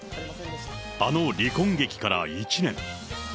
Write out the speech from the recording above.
あの離婚劇から１年。